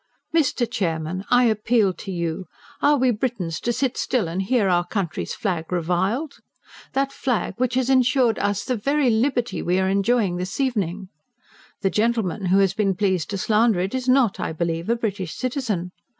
"Mr. Chairman! I appeal to you. Are we Britons to sit still and hear our country's flag reviled? that flag which has ensured us the very liberty we are enjoying this evening. The gentleman who has been pleased to slander it is not, I believe, a British citizen.